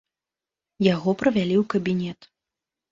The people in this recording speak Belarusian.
Яго правялі ў кабінет.